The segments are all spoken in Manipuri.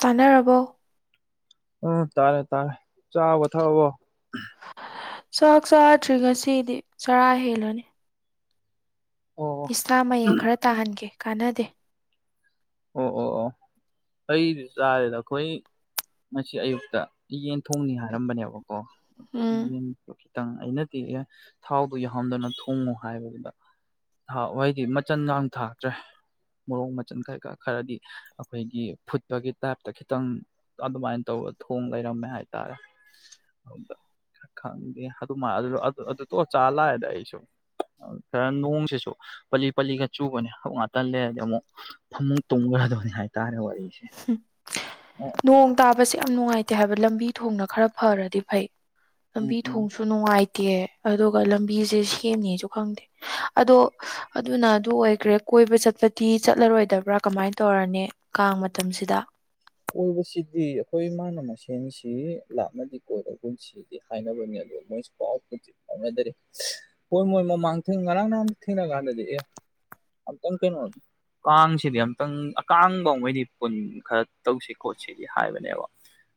ꯀꯥꯟꯅꯔꯕꯣ ꯎꯝ ꯇꯥꯔꯦ ꯇꯥꯔꯦ ꯆꯥꯕꯣ ꯊꯛꯑꯕꫭ ꯆꯥꯛ ꯆꯥꯔꯗ꯭ꯔꯤ ꯉꯁꯤꯗꯤ ꯆꯔꯥ ꯍꯦꯜꯂꯅꯤ ꯑꯣ ꯏꯁꯥ ꯃꯌꯦꯡ ꯈꯔ ꯇꯥꯍꯟꯒꯦ ꯀꯥꯟꯅꯗꯦ ꯑꯣ ꯑꯣ ꯑꯣ ꯑꯩꯗꯨ ꯆꯥꯔꯦꯗ ꯑꯩꯈꯣꯏ ꯉꯁꯤ ꯑꯌꯨꯛꯇ ꯌꯦꯟ ꯊꯣꯡꯅꯤ ꯍꯥꯏꯔꯝꯕꯅꯦꯕ ꯀꯣ ꯀꯔꯤ ꯎꯝ ꯌꯦꯟ ꯈꯤꯇꯪ ꯑꯩꯅꯗꯤ ꯑꯦ ꯊꯥꯎꯗꯨ ꯌꯥꯎꯍꯟꯗꯅ ꯊꯣꯡꯉꯨ ꯍꯥꯏꯕꯗꯨꯗ ꯍꯥꯋꯥꯢꯗꯤ ꯃꯆꯟꯒꯥꯡ ꯊꯥꯛꯇ꯭ꯔꯦ ꯃꯣꯔꯣꯛ ꯃꯆꯟ ꯀꯩ ꯀꯥ ꯈꯔꯗꯤ ꯑꯈꯣꯏꯒꯤ ꯐꯨꯠꯄꯒꯤ ꯇꯥꯏꯞꯇ ꯈꯤꯇꯪ ꯑꯗꯨꯃꯥꯏꯅ ꯇꯧꯔ ꯊꯣꯡ ꯂꯩꯔꯝꯃꯦ ꯍꯥꯏꯇꯥꯔꯦ ꯈꯪꯗꯦ ꯑꯗꯨꯃꯥꯢ ꯑꯗꯨ ꯇꯣꯔ ꯆꯥ ꯂꯥꯛꯑꯦꯗ ꯑꯩꯁꯨ ꯈꯔ ꯅꯣꯡꯁꯤꯁꯨ ꯄꯂꯤ ꯄꯜꯂꯤꯒ ꯆꯨꯕꯅꯦ ꯍꯧꯛ ꯉꯥꯛꯇꯡ ꯂꯩꯔꯗꯤ ꯑꯃꯨꯛ ꯐꯃꯨꯡ ꯇꯨꯝꯒꯗꯣꯅꯤ ꯍꯥꯏꯇꯥꯔꯦ ꯋꯥꯔꯤ ꯎꯝ ꯅꯣꯡ ꯇꯥꯕꯁꯦ ꯌꯥꯝ ꯅꯨꯡꯉꯥꯏꯇꯦ ꯍꯥꯏꯕ ꯂꯝꯕꯤ ꯊꯣꯡꯅ ꯈꯔ ꯐꯔꯗꯤ ꯐꯩ ꯎꯝ ꯂꯝꯕꯤ ꯎꯝ ꯊꯣꯡꯁꯨ ꯅꯨꯡꯉꯥꯏꯇꯦ ꯑꯗꯨꯒ ꯂꯝꯕꯤꯁꯦ ꯁꯦꯝꯅꯦꯁꯨ ꯈꯪꯗꯦ ꯑꯗꯣ ꯑꯗꯨꯅ ꯑꯗꯨ ꯑꯣꯏꯒ꯭ꯔꯦ ꯀꯣꯏꯕ ꯆꯠꯄꯗꯤ ꯆꯠꯂꯔꯣꯏꯗꯕ꯭ꯔꯥ ꯀꯃꯥꯏꯟ ꯇꯧꯔꯅꯤ ꯀꯥꯡ ꯃꯇꯝꯁꯤꯗ ꯀꯣꯏꯕꯁꯤꯗꯤ ꯑꯈꯣꯏ ꯏꯃꯥꯅ ꯃꯁꯦꯟꯁꯤ ꯂꯥꯞꯅꯗꯤ ꯀꯣꯏꯔꯒꯨꯝꯁꯤ ꯑꯗꯨꯗꯤ ꯍꯥꯏꯅꯕꯅꯤ ꯑꯗꯨ ꯃꯣꯏꯁꯨ ꯄꯥꯎꯗꯤ ꯐꯥꯎꯅꯗꯔꯤ ꯍꯣꯏ ꯃꯣꯏ ꯃꯃꯥꯡ ꯊꯦꯡ ꯉꯔꯥꯡ ꯅꯍꯥꯟ ꯊꯦꯡꯅ ꯒꯥꯟꯗꯗꯤ ꯑꯦ ꯑꯝꯇꯪ ꯀꯩꯅꯣ ꯀꯥꯡꯁꯤꯗꯤ ꯑꯝꯛꯇꯪ ꯀꯥꯡꯕꯥꯎꯃꯩꯗꯤ ꯄꯨꯟ ꯈꯔ ꯇꯧꯁꯤ ꯈꯣꯠꯁꯤꯗꯤ ꯍꯥꯏꯕꯅꯦꯕ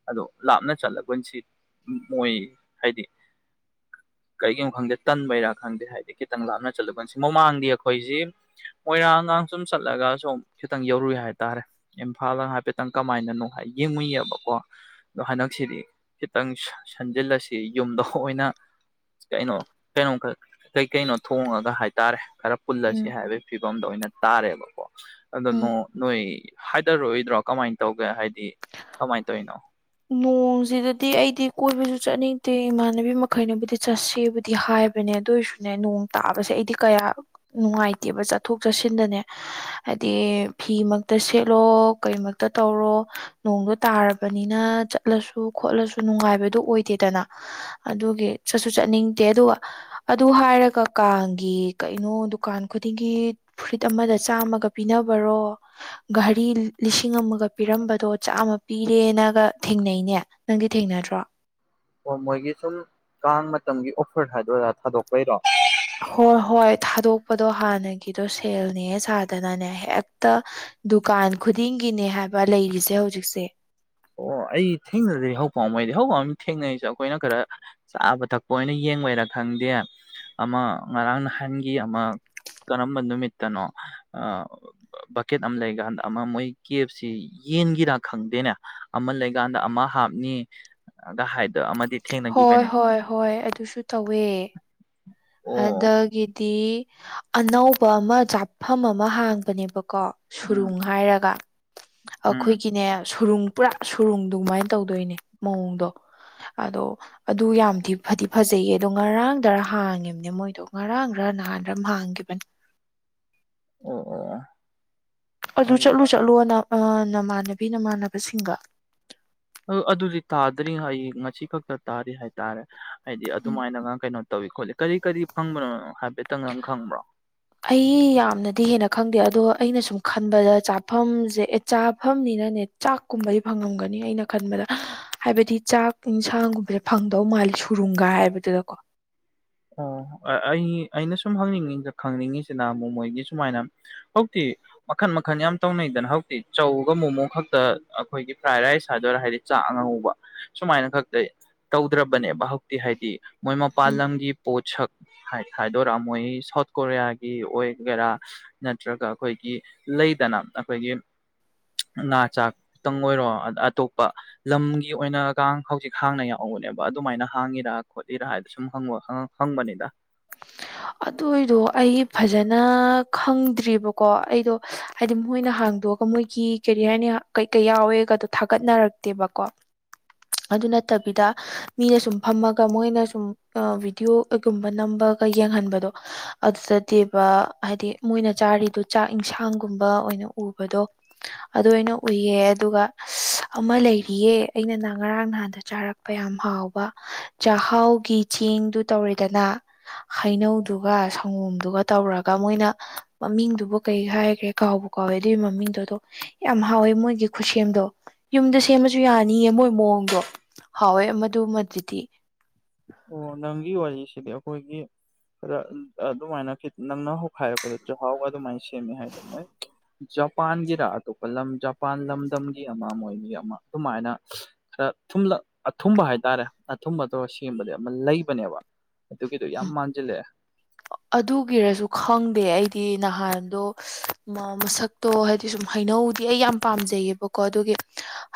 ꯑꯗꯨ ꯂꯥꯞꯅ ꯆꯠꯂꯒꯨꯟꯁꯤ ꯃꯣꯏ ꯍꯥꯏꯗꯤ ꯀꯩꯒꯤꯅꯣ ꯈꯪꯗꯦ ꯇꯟꯕꯩꯔꯥ ꯈꯪꯗꯦ ꯍꯥꯏꯗꯤ ꯈꯤꯇꯪ ꯂꯥꯞꯅ ꯆꯠꯂꯨꯀꯥꯟꯁꯤ ꯃꯃꯥꯡꯗꯤ ꯑꯩꯈꯣꯏꯁꯤ ꯃꯣꯏꯔꯥꯡ ꯒꯥꯡ ꯁꯨꯝ ꯆꯠꯂꯒ ꯁꯨꯝ ꯈꯤꯇꯪ ꯌꯧꯔꯨꯏ ꯍꯥꯏꯇꯥꯔꯦ ꯏꯝꯐꯥꯜ ꯒꯥꯡ ꯍꯥꯏꯐꯦꯠꯇꯪ ꯀꯃꯥꯏꯅꯅꯣ ꯍꯥꯏ ꯌꯦꯡꯉꯨꯏꯑꯦꯕꯀꯣ ꯑꯗꯣ ꯍꯟꯗꯛꯁꯤꯗꯤ ꯈꯤꯇꯪ ꯁꯟꯖꯤꯜꯂꯁꯤ ꯌꯨꯝꯗ ꯑꯣꯏꯅ ꯀꯩꯅꯣ ꯀꯩꯅꯣ ꯀꯩ ꯀꯩꯅꯣ ꯊꯣꯡꯉꯒ ꯍꯥꯏꯇꯥꯔꯦ ꯈꯔ ꯄꯨꯜꯂꯁꯤ ꯎꯝ ꯍꯥꯏꯕꯩ ꯐꯤꯕꯝꯗ ꯑꯣꯏꯅ ꯇꯥꯔꯦꯕꯀꯣ ꯑꯗꯨ ꯎꯝ ꯅꯣ ꯅꯣꯏ ꯍꯥꯏꯗꯔꯛꯑꯣꯢꯗ꯭ꯔꯣ ꯀꯃꯥꯏꯅ ꯇꯧꯒꯦ ꯍꯥꯏꯗꯤ ꯀꯃꯥꯏꯅ ꯇꯧꯔꯤꯅꯣ ꯅꯣꯡꯁꯤꯗꯗꯤ ꯑꯩꯗꯤ ꯀꯣꯏꯕꯁꯨ ꯆꯠꯅꯤꯡꯗꯦ ꯏꯃꯥꯟꯅꯕꯤ ꯃꯈꯩꯅꯕꯨꯗꯤ ꯆꯠꯁꯦꯕꯨꯗꯤ ꯍꯥꯏ ꯍꯥꯏꯕꯅꯦ ꯑꯗꯨ ꯑꯣꯏꯔꯁꯨꯅꯦ ꯅꯣꯡ ꯇꯥꯕꯁꯦ ꯑꯩꯗꯤ ꯀꯌꯥ ꯅꯨꯡꯉꯥꯏꯇꯦꯕ ꯆꯠꯊꯣꯛ ꯆꯠꯁꯤꯟꯗꯅꯦ ꯍꯥꯏꯗꯤ ꯐꯤ ꯃꯛꯇ ꯁꯦꯠꯂꯣ ꯀꯩꯃꯛꯇ ꯇꯧꯔꯣ ꯅꯣꯡꯗꯣ ꯇꯥꯔꯕꯅꯤꯅ ꯆꯠꯂꯁꯨ ꯈꯣꯠꯂꯁꯨ ꯅꯨꯡꯉꯥꯏꯕꯗꯨ ꯑꯣꯏꯗꯦꯗꯅ ꯑꯗꯨꯒꯤ ꯆꯠꯁꯨ ꯆꯠꯅꯤꯡꯗꯦ ꯑꯗꯨꯒ ꯑꯗꯨ ꯍꯥꯏꯔꯒ ꯀꯥꯡꯒꯤ ꯀꯩꯅꯣ ꯗꯨꯀꯥꯟ ꯈꯨꯗꯤꯡꯒꯤ ꯐꯨꯔꯤꯠ ꯑꯃꯗ ꯆꯥꯝꯃꯒ ꯄꯤꯅꯕꯔꯣ ꯘꯔꯤ ꯂꯤꯁꯤꯡ ꯑꯃꯒ ꯄꯤꯔꯝꯕꯗꯣ ꯆꯥꯝꯃ ꯄꯤꯔꯦꯅꯒ ꯊꯦꯡꯅꯩꯅꯦ ꯅꯪꯗꯤ ꯊꯦꯡꯅꯗ꯭ꯔꯣ ꯑꯣ ꯃꯣꯏꯒꯤ ꯁꯨꯝ ꯀꯥꯡ ꯃꯇꯝꯒꯤ ꯑꯣꯐꯔ ꯍꯥꯏꯗꯔꯥ ꯊꯥꯗꯣꯛꯄꯩꯔꯣ ꯍꯣꯏ ꯍꯣꯏ ꯊꯥꯗꯣꯛꯄꯗꯣ ꯍꯥꯟꯅꯒꯤꯗꯣ ꯁꯦꯜꯅꯦ ꯁꯥꯗꯅꯅꯦ ꯍꯦꯛꯇ ꯗꯨꯀꯥꯟ ꯈꯨꯗꯤꯡꯒꯤꯅꯦ ꯍꯥꯏꯕ ꯂꯩꯔꯤꯁꯦ ꯍꯧꯖꯤꯛꯁꯦ ꯑꯣ ꯑꯩ ꯊꯦꯡꯅꯗ꯭ꯔꯗꯤ ꯍꯧ ꯄꯝꯃꯩꯗꯤ ꯍꯧ ꯄꯥꯝ ꯊꯦꯡꯅꯔꯤꯁꯦ ꯑꯩꯈꯣꯏꯅ ꯈꯔ ꯆꯥꯕ ꯊꯛꯄ ꯑꯣꯏꯅ ꯌꯦꯡꯕꯏꯔ ꯈꯪꯗꯦ ꯑꯃ ꯉꯔꯥꯡ ꯅꯍꯥꯟꯒꯤ ꯑꯃ ꯀꯔꯝꯕ ꯅꯨꯃꯤꯠꯇꯅꯣ ꯕꯛꯀꯦꯠ ꯑꯃ ꯂꯩꯀꯥꯟꯗ ꯑꯃ ꯃꯣꯏ ꯀꯦꯞꯁꯤ ꯌꯦꯟꯒꯤꯔꯥ ꯈꯪꯗꯦꯅꯦ ꯑꯃ ꯂꯩꯀꯥꯟꯗ ꯑꯃ ꯍꯥꯞꯅꯤ ꯀ ꯍꯥꯏꯗ ꯑꯃ ꯍꯣꯏ ꯍꯣꯏ ꯍꯣꯏ ꯑꯗꯨꯁꯨ ꯇꯧꯋꯦ ꯑꯣ ꯑꯗꯒꯤꯗꯤ ꯑꯅꯧꯕ ꯑꯃ ꯆꯥꯐꯝ ꯑꯃ ꯍꯥꯡꯕꯅꯦꯕꯀꯣ ꯎꯝ ꯁꯨꯔꯨꯡ ꯍꯥꯏꯔꯒ ꯎꯝ ꯑꯩꯈꯣꯏꯒꯤꯅꯦ ꯁꯨꯔꯨꯡ ꯄꯨꯔꯥ ꯁꯨꯔꯨꯡꯗꯨꯃꯥꯏꯅ ꯇꯧꯗꯣꯏꯅꯦ ꯃꯑꯣꯡꯗꯣ ꯑꯗꯣ ꯑꯗꯨ ꯌꯥꯝꯗꯤ ꯐꯗꯤ ꯐꯖꯩꯌꯦ ꯑꯗꯣ ꯉꯔꯥꯡꯗꯔ ꯍꯥꯡꯉꯤꯕ ꯃꯣꯏꯗꯣ ꯉꯔꯥꯡꯔ ꯅꯍꯥꯟꯔ ꯍꯥꯡꯈꯤꯕꯅꯤ ꯑꯣ ꯑꯣ ꯑꯗꯨ ꯆꯠꯂꯨ ꯆꯠꯂꯣ ꯅ ꯅꯃꯥꯟꯅꯕꯤ ꯅꯃꯥꯟꯅꯕꯁꯤꯡꯒ ꯑꯗꯨꯗꯤ ꯇꯥꯗ꯭ꯔꯤ ꯑꯩ ꯉꯁꯤ ꯈꯛꯇ ꯇꯥꯔꯤ ꯍꯥꯏꯇꯥꯔꯦ ꯍꯥꯏꯗꯤ ꯑꯗꯨꯃꯥꯏꯅꯒ ꯀꯩꯅꯣ ꯇꯧꯋꯤ ꯈꯣꯠꯂꯤ ꯀꯔꯤ ꯀꯔꯤ ꯐꯪꯕꯅꯣ ꯍꯥꯏꯐꯦꯠꯇꯪ ꯅꯪ ꯈꯪꯕ꯭ꯔꯣ [unintelligible] ꯑꯩ ꯌꯥꯝꯅꯗꯤ ꯍꯦꯟꯅ ꯈꯪꯗꯦ ꯑꯗꯣ ꯑꯩꯅ ꯁꯨꯝ ꯈꯟꯕꯗ ꯆꯥꯐꯝꯁꯦ ꯑꯦ ꯆꯥꯐꯝꯅꯤꯅꯅꯦ ꯆꯥꯛꯀꯨꯝꯕꯗꯤ ꯐꯪꯉꯝꯒꯅꯤ ꯑꯩꯅ ꯈꯟꯕꯗ ꯍꯥꯏꯕꯗꯤ ꯆꯥꯛ ꯏꯟꯁꯥꯡꯒꯨꯝꯕꯁꯦ ꯐꯪꯗꯧ ꯃꯥꯜꯂꯦ ꯁꯨꯔꯨꯝꯒ ꯍꯥꯏꯕꯗꯨꯗꯀꯣ ꯑꯣ ꯑꯩ ꯑꯩꯅ ꯁꯨꯈꯪꯅꯤꯡ ꯈꯪꯅꯤꯡꯉꯤꯁꯤꯅ ꯃꯣꯃꯣꯏꯒꯤ ꯁꯨꯃꯥꯏꯅ ꯍꯧꯖꯤꯛꯇꯤ ꯃꯈꯟ ꯃꯈꯟ ꯌꯥꯝ ꯇꯧꯅꯩꯗꯅ ꯍꯧꯖꯤꯛꯇꯤ ꯆꯧꯒ ꯃꯣꯃꯣ ꯈꯛꯇ ꯑꯩꯈꯣꯏꯒꯤ ꯐ꯭ꯔꯥꯏ ꯔꯥꯏꯁ ꯍꯥꯏꯗꯣꯏꯔꯥ ꯍꯥꯏꯗꯤ ꯆꯥꯛ ꯑꯉꯧꯕ ꯁꯨꯃꯥꯏꯅ ꯈꯛꯇ ꯇꯧꯗ꯭ꯔꯕꯅꯦꯕ ꯍꯧꯖꯤꯛꯇꯤ ꯍꯥꯏꯗꯤ ꯃꯣꯏ ꯃꯄꯥꯟ ꯎꯝ ꯂꯝꯒꯤ ꯄꯣꯠꯁꯛ ꯍꯥꯏꯗꯣꯔꯛꯑꯃꯣꯏ ꯁꯥꯎꯠ ꯀꯣꯔꯤꯌꯥꯒꯤ ꯑꯣꯏꯒꯦꯔꯥ ꯅꯠꯇ꯭ꯔꯒ ꯑꯩꯈꯣꯏꯒꯤ ꯂꯩꯗꯅ ꯑꯩꯈꯣꯏꯒꯤ ꯉꯥ ꯆꯥꯛ ꯈꯇꯪ ꯑꯣꯏꯔꯣ ꯑꯇꯣꯞꯄ ꯂꯝꯒꯤ ꯑꯣꯏꯅ ꯍꯥꯡ ꯍꯧꯖꯤꯛ ꯍꯥꯡꯅ ꯌꯥꯎꯕꯅꯦꯕ ꯑꯗꯨꯃꯥꯏꯅ ꯍꯥꯡꯉꯤꯔꯥ ꯈꯣꯠꯂꯤꯔꯥ ꯍꯥꯏꯗ ꯁꯨꯝ ꯍꯪꯉꯣ ꯍꯪ ꯕꯅꯤꯗ ꯑꯗꯨꯏꯗꯣ ꯑꯩ ꯐꯖꯅ ꯈꯪꯗ꯭ꯔꯤꯕꯔꯤꯕꯀꯣ ꯑꯩꯗꯣ ꯍꯥꯏꯗꯤ ꯃꯣꯏꯅ ꯍꯥꯡꯗꯣꯛꯑꯒ ꯃꯣꯏꯒꯤ ꯀꯦꯔꯤꯍꯥꯏꯅꯤ ꯀꯩꯀꯩ ꯌꯥꯎꯋꯦꯒꯗꯣ ꯊꯥꯒꯠꯅꯔꯛꯇꯦꯕꯀꯣ [inaudible] ꯑꯗꯨ ꯅꯠꯇꯕꯤꯗ ꯃꯤꯅ ꯁꯨꯝ ꯐꯝꯃꯒ ꯃꯣꯏꯅ ꯁꯨꯝ ꯕꯤꯗꯤꯑꯣꯒꯨꯝꯕ ꯅꯝꯕ ꯀꯩ ꯌꯦꯡꯍꯟꯕꯗꯣ ꯑꯗꯨꯗꯗꯤꯕ ꯍꯥꯏꯗꯤ ꯃꯣꯏꯅ ꯆꯥꯔꯤꯗꯨꯣ ꯆꯥꯛ ꯏꯟꯁꯥꯡꯒꯨꯝꯕ ꯑꯣꯏꯅ ꯎꯕꯗꯣ ꯑꯗꯨ ꯑꯣꯏꯅ ꯎꯏꯌꯦ ꯑꯗꯨꯒ ꯑꯃ ꯂꯩꯔꯤꯌꯦ ꯑꯩꯅ ꯉꯔꯥꯡ ꯅꯍꯥꯟꯗ ꯆꯥꯔꯛꯄ ꯌꯥꯝ ꯍꯥꯎꯕ ꯆꯥꯛꯍꯥꯎꯒꯤ ꯆꯦꯡꯗꯨ ꯇꯧꯔꯤꯗꯅ ꯍꯩꯅꯧꯗꯨꯒ ꯁꯪꯒꯣꯝꯗꯨꯒ ꯇꯧꯔꯒ ꯃꯣꯏꯅ ꯃꯃꯤꯡꯗꯨꯕꯨ ꯀꯩ ꯍꯥꯏꯈ꯭ꯔꯦ ꯀꯥꯎꯕ ꯀꯧꯋꯦ ꯑꯗꯨꯒꯤ ꯃꯃꯤꯡꯗꯨꯗꯣ ꯌꯥꯝ ꯍꯥꯎꯋꯦ ꯃꯣꯏꯒꯤ ꯈꯨꯠꯁꯦꯝꯗꯣ ꯌꯨꯝꯗ ꯁꯦꯝꯃꯁꯨ ꯌꯥꯅꯤꯌꯦ ꯃꯣꯏ ꯃꯑꯣꯡꯗꯣ ꯍꯥꯎꯋꯦ ꯃꯗꯨꯃꯗꯨꯗꯤ ꯑꯣ ꯅꯪꯒꯤ ꯋꯥꯔꯤꯁꯤꯗꯤ ꯑꯩꯈꯣꯏꯒꯤ ꯈꯔ ꯑꯗꯨꯃꯥꯏꯅꯈꯤ ꯅꯪꯅ ꯍꯧꯈꯥꯏꯔꯛꯄꯗ ꯆꯍꯥꯎꯒ ꯑꯗꯨꯃꯥꯏꯅ ꯁꯦꯝꯃꯦ ꯍꯥꯏꯗꯣ ꯃꯣꯏ ꯖꯄꯥꯟꯒꯤꯔ ꯑꯇꯣꯞꯄ ꯂꯝ ꯖꯄꯥꯟ ꯂꯝꯗꯝꯒꯤ ꯑꯃ ꯃꯣꯏꯒꯤ ꯑꯃ ꯑꯗꯨꯃꯥꯏꯅ ꯈꯔꯂ ꯑꯊꯨꯝꯕ ꯍꯥꯏꯇꯥꯔꯦ ꯑꯊꯨꯝꯕꯗꯣ ꯁꯦꯝꯕꯗ ꯑꯃ ꯂꯩꯕꯅꯦꯕ ꯑꯗꯨꯒꯤꯗꯣ ꯌꯥꯝ ꯎꯝ ꯃꯥꯟꯁꯤꯜꯂꯦ ꯑꯗꯨꯒꯤꯔꯁꯨ ꯈꯪꯗꯦ ꯑꯩꯗꯤ ꯅꯍꯥꯟꯗꯣ ꯃꯥ ꯃꯁꯛꯇꯣ ꯍꯥꯏꯗꯤ ꯁꯨꯝ ꯍꯩꯅꯧꯗꯤ ꯑꯩ ꯌꯥꯝ ꯄꯥꯝꯖꯩꯌꯦꯕꯀꯣ ꯑꯗꯨꯒꯤ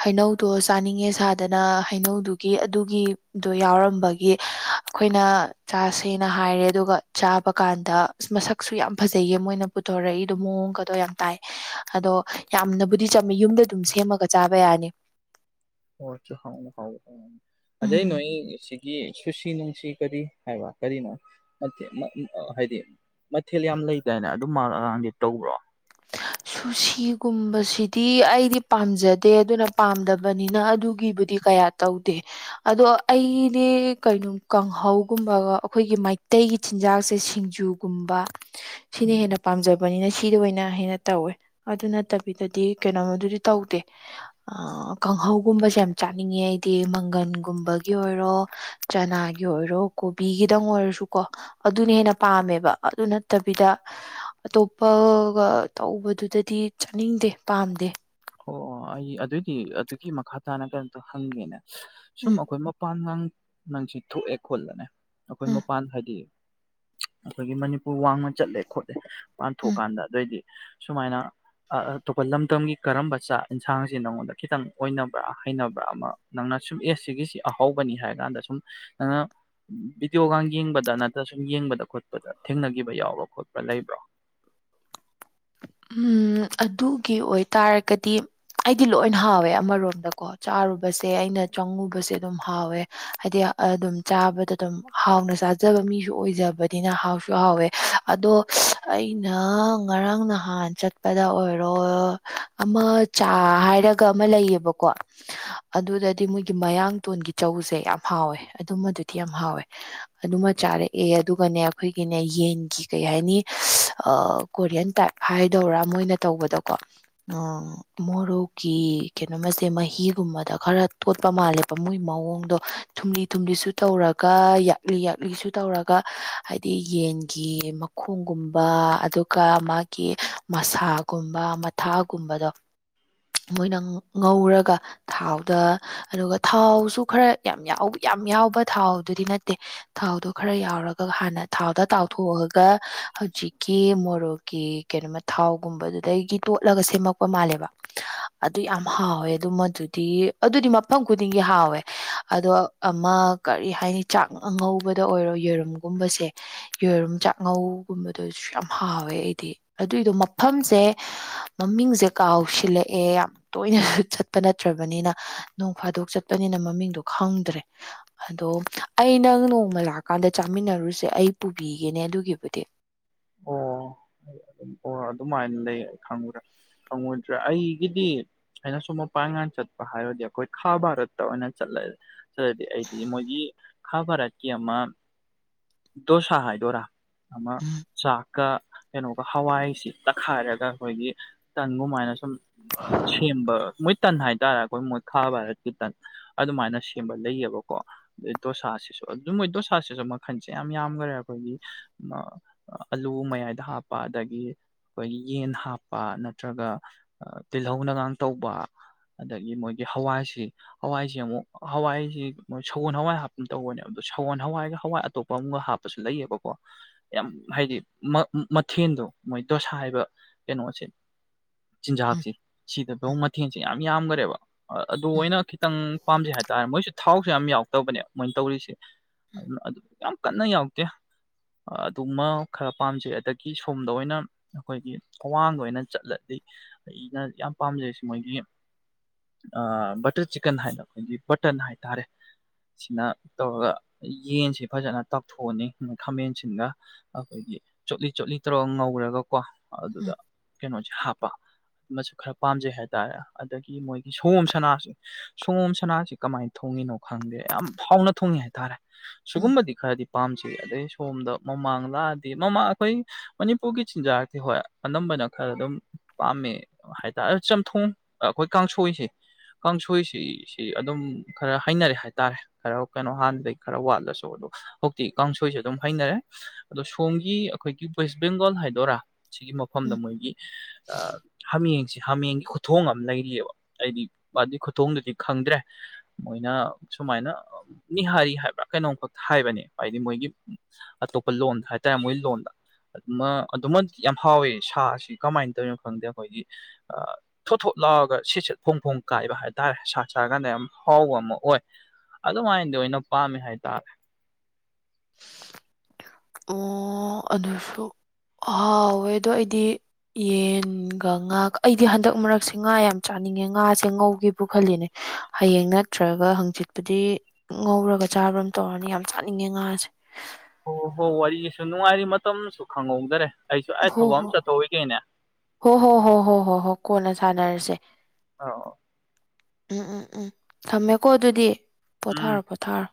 ꯍꯩꯅꯧꯗꯣ ꯆꯥꯅꯤꯡꯉꯦ ꯁꯥꯗꯅ ꯍꯩꯅꯧꯗꯨꯒꯤ ꯑꯗꯨꯒꯤꯗꯣ ꯌꯥꯎꯔꯝꯕꯒꯤ ꯑꯩꯈꯣꯏꯅ ꯆꯥꯁꯦꯅ ꯍꯥꯏꯔꯦ ꯑꯗꯨꯒ ꯆꯥꯕ ꯀꯥꯟꯗ ꯃꯁꯛꯁꯨ ꯌꯥꯝ ꯐꯖꯩꯌꯦ ꯃꯣꯏꯅ ꯄꯨꯊꯣꯔꯛꯏꯗꯣ ꯃꯑꯣꯡꯒꯗꯣ ꯌꯥꯝ ꯇꯥꯏꯅꯦ ꯑꯗꯣ ꯌꯥꯝꯅꯕꯨꯗꯤ ꯆꯝꯃꯤ ꯌꯨꯝꯗ ꯑꯗꯨꯝ ꯁꯦꯝꯃꯒ ꯆꯥꯕ ꯌꯥꯅꯤ ꯍꯁꯨ ꯍ ꯍ ꯑꯗꯩ ꯎꯝ ꯅꯣꯏꯣꯏ [unintelligible] ꯁꯨꯁꯤ ꯅꯨꯡꯁꯤ ꯀꯔꯤ ꯍꯥꯏꯕ ꯀꯔꯤꯅꯣ ꯅꯠꯇꯦ ꯍꯥꯏꯗꯤ ꯃꯊꯦꯜ ꯌꯥꯝ ꯂꯩꯗꯥꯏꯅꯦ ꯑꯗꯨꯝ ꯃꯥꯜꯂꯑꯀꯥꯡꯗꯤ ꯇꯧꯕ꯭ꯔꯣ ꯍ ꯁꯨꯁꯤꯒꯨꯝꯕꯁꯤꯗꯤ ꯑꯩꯗꯤ ꯄꯥꯝꯖꯗꯦ ꯑꯗꯨꯅ ꯄꯥꯝꯗꯕꯅꯤꯅ ꯑꯗꯨꯒꯤꯕꯨꯗꯤ ꯀꯌꯥ ꯇꯧꯗꯦ ꯑꯗꯣ ꯑꯩꯗꯤ ꯀꯩꯅꯣ ꯀꯥꯡꯍꯧꯒꯨꯝꯕꯒ ꯑꯩꯈꯣꯏꯒꯤ ꯃꯩꯇꯩꯒꯤ ꯆꯤꯟꯖꯥꯛꯁꯦ ꯁꯤꯡꯖꯨ ꯒꯨꯝꯕ ꯁꯤꯅ ꯍꯦꯟꯅ ꯄꯥꯝꯖꯕꯅꯤꯅ ꯁꯤꯗ ꯑꯣꯏꯅ ꯍꯦꯟꯅ ꯇꯧꯋꯦ ꯑꯗꯨ ꯅꯠꯇꯕꯤꯗꯗꯤ ꯀꯩꯅꯣꯃꯣꯗꯨꯗꯤ ꯇꯧꯗꯦ ꯀꯥꯡꯍꯧꯒꯨꯝꯕꯁꯦ ꯌꯥꯝ ꯆꯥꯅꯤꯡꯉꯦ ꯑꯩꯗꯤ ꯃꯪꯒꯟꯒꯨꯝꯕꯒꯤ ꯑꯣꯏꯔꯣ ꯆꯅꯥꯒꯤ ꯑꯣꯏꯔꯣ ꯀꯣꯕꯤꯒꯤꯗꯪ ꯑꯣꯏꯔꯁꯨ ꯀꯣ ꯑꯗꯨꯅ ꯍꯦꯟꯅ ꯄꯥꯝꯃꯦꯕ ꯑꯗꯨ ꯅꯠꯇꯕꯤꯗ ꯑꯇꯣꯞꯄꯒ ꯇꯧꯕꯗꯨꯗꯗꯤ ꯆꯥꯅꯤꯡꯗꯦ ꯄꯥꯝꯗꯦ ꯑꯣ ꯑꯣ ꯑꯩ ꯑꯗꯨꯗꯤ ꯑꯗꯨꯒꯤ ꯃꯈꯥ ꯇꯥꯅ ꯀꯩꯅꯣꯝꯇ ꯍꯪꯒꯦꯅꯦ ꯁꯨꯝ ꯎꯝ ꯑꯩꯈꯣꯏ ꯃꯄꯥꯟ ꯉꯥꯡ ꯅꯪꯁ ꯊꯣꯛꯑꯦ ꯈꯣꯠꯂꯅꯦ ꯑꯩꯈꯣꯏ ꯎꯝ ꯃꯄꯥꯟ ꯍꯥꯏꯗꯤ ꯑꯩꯈꯣꯏꯒꯤ ꯃꯅꯤꯄꯨꯔ ꯋꯥꯡꯃ ꯆꯠꯂꯦ ꯈꯣꯠꯂꯦ ꯄꯥꯟ ꯎꯝ ꯊꯣꯛꯣꯛꯀꯥꯟꯗ ꯑꯗꯨ ꯑꯣꯢꯗꯤ ꯁꯨꯃꯥꯏꯅ ꯑꯇꯣꯞꯄ ꯂꯝꯗꯝꯒꯤ ꯀꯔꯝꯕ ꯆꯥꯛ ꯌꯦꯟꯁꯥꯡꯁꯤ ꯅꯪꯉꯣꯟꯗ ꯈꯤꯇꯪ ꯑꯣꯏꯅꯕ꯭ꯔꯥ ꯍꯩꯅꯕ꯭ꯔꯥ ꯑꯃ ꯅꯪꯅ ꯁꯨꯝ ꯑꯦꯁ ꯁꯤꯒꯤꯁꯤ ꯑꯍꯧꯕꯅꯤ ꯍꯥꯏꯔ ꯀꯥꯟꯗ ꯁꯨꯝ ꯅꯪꯅ ꯚꯗꯤꯑꯣꯒ ꯌꯦꯡꯕꯗ ꯅꯠꯇ꯭ꯔ ꯁꯨꯝ ꯌꯦꯡꯕꯗ ꯈꯣꯠꯄꯗ ꯊꯦꯡꯅꯈꯤꯕ ꯌꯥꯎꯕꯥ ꯈꯣꯠꯄ꯭ꯔꯥ ꯂꯩꯕ꯭ꯔꯣ ꯎꯝ ꯑꯗꯨꯒꯤ ꯑꯣꯏꯇꯥꯔꯒꯗꯤ ꯑꯩꯗꯤ ꯂꯣꯏ ꯍꯥꯎꯋꯦ ꯑꯃꯔꯣꯝꯗꯀꯣ ꯆꯥꯔꯨꯕꯁꯦ ꯑꯩꯅ ꯆꯪꯉꯨꯕꯁꯦ ꯑꯗꯨꯝ ꯍꯥꯎꯋꯦ ꯍꯥꯏꯗꯤ ꯑꯗꯨꯝ ꯆꯥꯕꯗ ꯑꯗꯨꯝ ꯍꯥꯎꯅ ꯆꯥꯖꯕ ꯃꯤꯁꯨ ꯑꯣꯏꯖꯕꯅꯤꯅ ꯍꯥꯎꯁꯨ ꯍꯥꯎꯋꯦ ꯑꯗꯣ ꯑꯩꯅ ꯉꯔꯥꯡ ꯅꯍꯥꯟ ꯆꯠꯄꯗ ꯑꯣꯏꯔꯣ ꯑꯃ ꯆꯥ ꯍꯥꯏꯔꯒ ꯑꯃ ꯂꯩꯌꯦꯕꯀꯣ ꯑꯗꯨꯗꯗꯤ ꯃꯣꯏꯒꯤ ꯃꯌꯥꯡꯇꯣꯟꯒꯤ ꯆꯧꯁꯦ ꯌꯥꯝ ꯍꯥꯎꯋꯦ ꯑꯗꯨꯃꯗꯨꯗꯤ ꯌꯥꯝ ꯍꯥꯎꯋꯦ ꯑꯗꯨꯃ ꯆꯥꯔꯛꯑꯦ ꯑꯗꯨꯒꯅꯦ ꯑꯩꯈꯣꯏꯒꯤꯅꯦ ꯌꯦꯟꯒꯤ ꯀꯩ ꯍꯥꯏꯅꯤ ꯀꯣꯔꯤꯌꯟ ꯇꯥꯏꯞ ꯍꯥꯏꯗꯧꯔꯥ ꯃꯣꯏꯅ ꯇꯧꯕꯗꯀꯣ ꯑꯣ ꯃꯣꯔꯣꯛꯀꯤ ꯀꯩꯅꯣꯃꯁꯦ ꯃꯍꯤꯒꯨꯝꯕꯗ ꯈꯔ ꯇꯣꯠꯄ ꯃꯥꯜꯂꯦꯕ ꯃꯣꯏ ꯃꯑꯣꯡꯗꯣ ꯊꯨꯝꯂꯤ ꯊꯨꯝꯂꯤꯁꯨ ꯇꯧꯔꯒ ꯌꯥꯛꯂꯤ ꯌꯥꯛꯂꯤꯁꯨ ꯇꯧꯔꯒ ꯍꯥꯏꯗꯤ ꯌꯦꯟꯒꯤ ꯃꯈꯣꯡꯒꯨꯝꯕ ꯑꯗꯨꯒ ꯃꯥꯒꯤ ꯃꯁꯥꯒꯨꯝꯕ ꯃꯊꯥꯒꯨꯝꯕꯗꯣ ꯃꯣꯏꯅ ꯉꯧꯔꯒ ꯊꯥꯎꯗ ꯑꯗꯨꯒ ꯊꯥꯎꯁꯨ ꯈꯔ ꯌꯥꯝ ꯌꯥꯎ ꯌꯥꯝ ꯌꯥꯎꯕ ꯊꯥꯎꯗꯨꯗꯤ ꯅꯠꯇꯦ ꯊꯥꯎꯗꯣ ꯈꯔ ꯌꯥꯎꯔꯒ ꯍꯥꯟꯅ ꯊꯥꯎꯗ ꯇꯥꯎꯊꯣꯛꯑꯒ ꯍꯧꯖꯤꯛꯀꯤ ꯃꯣꯔꯣꯛꯀꯤ ꯀꯩꯅꯣꯃ ꯊꯥꯎꯒꯨꯝꯕꯗꯨꯩꯗꯒꯤ ꯇꯣꯠꯂꯒ ꯁꯦꯝꯃꯛꯄ ꯃꯥꯜꯂꯦꯕ ꯑꯗꯨ ꯌꯥꯝ ꯍꯥꯎꯋꯦ ꯑꯗꯨ ꯃꯗꯨꯗꯤ ꯑꯗꯨꯗꯤ ꯃꯐꯝ ꯈꯨꯗꯤꯡꯒꯤ ꯍꯥꯎꯋꯦ ꯑꯗꯣ ꯑꯃ ꯀꯔꯤ ꯍꯥꯏꯅꯤ ꯆꯥꯛ ꯑꯉꯧꯕꯗ ꯑꯣꯏꯔꯣ ꯌꯦꯔꯨꯝꯒꯨꯝꯕꯁꯦ ꯌꯦꯔꯨꯝ ꯆꯥꯛꯉꯧꯒꯨꯝꯕꯗꯁꯨ ꯌꯥꯝ ꯍꯥꯎꯋꯦ ꯑꯩꯗꯤ ꯑꯗꯨꯏꯗꯣ ꯃꯐꯝꯁꯦ ꯃꯃꯤꯡꯁꯦ ꯀꯥꯎꯁꯤꯜꯂꯛꯑꯦ ꯌꯥꯝ ꯇꯣꯏꯅꯁꯨ ꯆꯠꯄ ꯅꯠꯇ꯭ꯔꯕꯅꯤꯅ ꯅꯣꯡ ꯐꯥꯗꯣꯛ ꯆꯠꯄꯅꯤꯅ ꯃꯃꯤꯡꯗꯣ ꯈꯪꯗ꯭ꯔꯦ ꯑꯗꯣ ꯑꯩ ꯅꯪ ꯅꯣꯡꯃ ꯂꯥꯛꯀꯥꯟꯗ ꯆꯥꯃꯤꯟꯅꯔꯨꯁꯦ ꯑꯩ ꯄꯨꯕꯤꯒꯦꯅꯦ ꯑꯗꯨꯒꯤꯕꯨꯗꯤ ꯑꯣ ꯑꯣ ꯑꯗꯨꯃꯥꯏꯅ ꯂꯩ ꯑꯩ ꯈꯪꯕ꯭ꯔ ꯈꯪꯉꯣꯏꯗ꯭ꯔꯥ ꯑꯩꯒꯤꯗꯤ ꯑꯩꯅ ꯁꯨꯝ ꯃꯄꯥꯡꯒꯥꯟ ꯆꯠꯄ ꯍꯥꯏꯔꯗꯤ ꯑꯩꯈꯣꯏ ꯈꯥ ꯚꯥꯔꯠꯇ ꯑꯣꯏꯅ ꯆꯠꯂꯦ ꯆꯥꯠꯂꯥꯗꯤ ꯑꯩꯗꯤ ꯃꯣꯏꯒꯤ ꯈꯥꯕꯔꯥꯀꯤ ꯑꯃꯥ ꯗꯣꯁꯥ ꯍꯥꯏ ꯗꯔꯥ ꯑꯃ ꯎꯝ ꯆꯥꯛꯀ ꯀꯩꯅꯣꯒ ꯍꯋꯥꯏꯁꯤ ꯇꯛꯈꯥꯏꯔꯒ ꯑꯩꯈꯣꯏꯒꯤ ꯇꯟꯒꯨꯝꯃꯥꯏꯅ ꯁꯨꯝ ꯁꯦꯝꯕ ꯃꯣꯏ ꯇꯟ ꯍꯥꯏꯇꯥꯔꯦ ꯑꯩꯈꯣꯏ ꯃꯣꯏꯈꯥ ꯚꯥꯔꯠꯀꯤ ꯇꯟ ꯑꯗꯨꯃꯥꯏꯅ ꯁꯦꯝꯕ ꯂꯩꯌꯦꯕꯀꯣ ꯑꯗꯩ ꯗꯣꯁꯥꯁꯤꯁꯨ ꯑꯗꯨꯝ ꯃꯣꯏ ꯗꯣꯁꯥꯁꯤꯁꯨ ꯃꯈꯟꯁꯦ ꯌꯥꯝ ꯌꯥꯝꯈꯔꯦ ꯑꯩꯈꯣꯏꯒꯤ ꯑꯥꯂꯨ ꯃꯌꯥꯏꯗ ꯍꯥꯞꯄ ꯑꯗꯒꯤ ꯑꯩꯈꯣꯏꯒꯤ ꯌꯦꯟ ꯍꯥꯞꯄ ꯅꯠꯇ꯭ꯔꯒ ꯇꯤꯜꯍꯧꯅꯒꯥꯡ ꯇꯧꯕ ꯑꯗꯒꯤ ꯃꯣꯏꯒꯤ ꯍꯋꯥꯏꯁꯤ ꯍꯋꯥꯏꯁ ꯑꯃꯨꯛ ꯍꯋꯥꯏꯁꯤ ꯁꯒꯣꯜ ꯍꯋꯥꯏ ꯍꯥꯞꯄ ꯇꯧꯕꯅꯦꯕꯗꯣ ꯁꯒꯣꯜ ꯍꯋꯥꯏꯒ ꯍꯋꯥꯏ ꯑꯇꯣꯞꯄ ꯑꯃꯒ ꯍꯥꯞꯄ ꯇꯁꯨ ꯂꯩꯌꯦꯕꯀꯣ ꯌꯥꯝ ꯍꯥꯏꯗꯤ ꯃꯊꯦꯜꯗꯣ ꯃꯣꯏ ꯗꯣꯁꯥ ꯍꯥꯏꯕ ꯀꯩꯅꯣꯁꯦ ꯎꯝ ꯆꯤꯟꯖꯥꯛꯁꯦ ꯁꯤꯗꯐꯧ ꯎꯝ ꯃꯊꯦꯡꯁꯦ ꯌꯥꯝ ꯌꯥꯝꯈꯔꯦꯕ ꯑꯗꯨ ꯎꯝ ꯑꯣꯏꯅ ꯈꯤꯇꯪ ꯄꯥꯝꯖꯩ ꯍꯥꯏꯇꯥꯔꯦ ꯃꯣꯏꯁꯨ ꯊꯥꯎꯁꯨ ꯌꯥꯝ ꯌꯥꯎꯛꯇꯕꯅꯦ ꯃꯣꯏꯅ ꯇꯧꯔꯤꯁꯦ ꯑꯗꯨ ꯌꯥꯝ ꯀꯟꯅ ꯌꯥꯎꯗꯦ ꯑꯗꯨꯃ ꯈꯔ ꯄꯥꯝꯖꯩ ꯑꯗꯒꯤ ꯁꯣꯝꯗ ꯑꯣꯏꯅ ꯑꯩꯈꯣꯏꯒꯤ ꯑ꯭ꯋꯥꯡꯗ ꯑꯣꯏꯅ ꯆꯠꯂꯗꯤ ꯑꯩꯅ ꯌꯥꯝ ꯄꯥꯝꯖꯩꯁꯦ ꯃꯣꯏꯒꯤ ꯕꯇꯔ ꯆꯤꯛꯀꯟ ꯍꯥꯏꯅ ꯑꯩꯈꯣꯏꯒꯤ ꯕꯇꯟ ꯍꯥꯏꯇꯥꯔꯦ ꯁꯤꯅ ꯇꯧꯔꯒ ꯌꯦꯟꯁꯤ ꯐꯖꯅ ꯇꯥꯛꯊꯣꯛꯑꯅꯤ ꯈꯥꯃꯦꯟꯁꯤꯒ ꯑꯩꯈꯣꯏꯒꯤ ꯆꯣꯠꯂꯤ ꯆꯣꯠꯂꯤ ꯇꯧꯔꯒ ꯉꯧꯔꯒꯀꯣ ꯎꯝ ꯑꯗꯨꯗ ꯀꯩꯅꯣꯁꯦ ꯍꯥꯞꯄ ꯃꯁꯨ ꯈꯔ ꯄꯥꯝꯖꯩ ꯍꯥꯏꯇꯥꯔꯦ ꯑꯗꯒꯤ ꯃꯣꯏꯒꯤ ꯁꯪꯒꯣꯝ ꯁꯥꯅꯥꯁꯦ ꯁꯪꯒꯣꯝ ꯁꯅꯥꯁꯤ ꯀꯃꯥꯏꯅ ꯊꯣꯡꯉꯤꯅꯣ ꯈꯪꯗꯦ ꯌꯥꯝ ꯐꯥꯎꯅ ꯊꯣꯡꯉꯤ ꯍꯥꯏꯇꯥꯔꯦ ꯎꯝ ꯁꯪꯒꯣꯝꯕꯗꯤ ꯈꯔꯗꯤ ꯄꯥꯝꯖꯩ ꯑꯗꯩ ꯁꯣꯝꯗ ꯃꯃꯥꯡ ꯑꯗꯤ ꯃꯃꯥ ꯑꯩꯈꯣꯏ ꯃꯅꯤꯄꯨꯔꯒꯤ ꯆꯤꯟꯖꯥꯛꯇ ꯍꯣꯏ ꯑꯅꯝꯕꯅ ꯈꯔ ꯑꯗꯨꯝ ꯄꯥꯝꯃꯦ ꯍꯥꯏꯇꯥꯔꯦ ꯆꯝꯊꯣꯡ ꯑꯩꯈꯣꯏ ꯀꯥꯡꯁꯣꯏꯁꯦ ꯀꯥꯡꯁꯣꯏꯁꯤꯁꯤ ꯑꯗꯨꯝ ꯈꯔ ꯍꯩꯅꯔꯦ ꯍꯥꯏꯇꯥꯔꯦ ꯈꯔ ꯀꯩꯅꯣ ꯍꯥꯟꯅꯗꯒꯤ ꯈꯔ ꯋꯥꯠꯂꯁꯨ ꯑꯗꯣ ꯍꯧꯖꯤꯛꯇꯤ ꯀꯥꯡꯁꯣꯏꯁꯨꯦ ꯑꯗꯨꯝ ꯍꯩꯅꯔꯦ ꯑꯗꯣ ꯁꯣꯝꯒꯤ ꯑꯩꯈꯣꯏꯒꯤ ꯋꯦꯁ ꯕꯦꯡꯒꯣꯜ ꯍꯥꯏꯗꯣꯏꯔꯥ ꯁꯤꯒꯤ ꯃꯐꯝꯗ ꯎꯝ ꯃꯣꯏꯒꯤ ꯍꯥꯃꯦꯡꯁꯦ ꯍꯥꯃꯦꯡꯒꯤ ꯈꯨꯊꯣꯡ ꯑꯃ ꯂꯩꯔꯤꯑꯦꯕ ꯑꯩꯗꯤ ꯃꯥꯏ ꯈꯨꯊꯣꯡꯗꯨꯗꯤ ꯈꯪꯗ꯭ꯔꯦ ꯃꯣꯏꯅ ꯁꯨꯃꯥꯏꯅ ꯅꯤꯍꯥꯔꯤ ꯍꯥꯏꯕ꯭ꯔꯥ ꯀꯩꯅꯣꯝꯈꯛ ꯍꯥꯏꯕꯅꯦ ꯍꯥꯏꯗꯤ ꯃꯣꯏꯒꯤ ꯂꯣꯟꯗ ꯍꯥꯏꯇꯥꯔꯦ ꯃꯣꯏ ꯂꯣꯟꯗ ꯑꯗꯨꯃ ꯑꯗꯨꯃ ꯌꯥꯝ ꯍꯥꯎꯋꯦ ꯁꯥꯁꯤ ꯀꯃꯥꯏꯅ ꯇꯧꯔꯤꯅꯣ ꯈꯪꯗꯦ ꯑꯩꯈꯣꯏꯒꯤ ꯑꯥ ꯊꯣꯠ ꯊꯣꯠ ꯂꯥꯎꯔꯒ ꯁꯤꯠꯦꯠ ꯐꯣꯡ ꯐꯣꯡ ꯀꯥꯏꯕ ꯍꯥꯏ ꯇꯔꯦ ꯁꯥ ꯆꯥꯔ ꯀꯥꯟꯗ ꯌꯥꯝ ꯍꯥꯎꯕ ꯑꯃ ꯑꯣꯏ ꯑꯗꯨꯝꯍꯥꯏꯅꯗꯤ ꯑꯣꯏꯅ ꯄꯥꯝꯃꯦ ꯍꯥꯏꯇꯥꯔꯦ ꯑꯣ ꯑꯗꯨꯁꯨ ꯍꯥꯎꯋꯦ ꯑꯗꯣ ꯑꯩꯗꯤ ꯌꯦꯟꯒ ꯉꯥ ꯑꯩꯗꯤ ꯍꯟꯗꯛ ꯃꯔꯛꯁꯦ ꯉꯥ ꯌꯥꯝ ꯆꯥꯅꯤꯡꯉꯦ ꯉꯥꯁꯦ ꯉꯧꯒꯦꯕꯨ ꯈꯜꯂꯤꯅꯦ ꯍꯌꯦꯡ ꯅꯠꯇ꯭ꯔꯒ ꯍꯪꯆꯤꯠꯄꯨꯗꯤ ꯉꯧꯔꯒ ꯆꯥꯕ꯭ꯔ ꯑꯃ ꯇꯧꯔꯅꯤ ꯌꯥꯝ ꯆꯥꯅꯤꯡꯉꯦ ꯉꯥꯁꯦ ꯑꯣ ꯍꯣ ꯋꯥꯔꯤꯁꯨ ꯅꯨꯡꯉꯥꯏꯔꯤ ꯃꯇꯝꯁꯨ ꯈꯪꯍꯧꯗꯔꯦ ꯑꯩꯁꯨ ꯑꯩ ꯊꯕꯛ ꯑꯃ ꯆꯠꯊꯣꯛꯔꯤꯒꯦꯅꯦ ꯍ ꯍꯣ ꯍꯣ ꯍꯣ ꯍꯣ ꯍꯣ ꯀꯣꯅ ꯁꯅꯔꯁꯦ ꯑꯥꯎ ꯎꯝ ꯎꯝ ꯎꯝ ꯊꯝꯃꯦꯀꯣ ꯑꯗꯨꯗꯤ ꯎꯝ ꯄꯣꯊꯥꯔꯣ ꯄꯣꯊꯥꯔꯣ